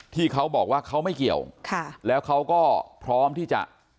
ที่เขาบอกว่าเขาไม่เกี่ยวค่ะแล้วเขาก็พร้อมที่จะ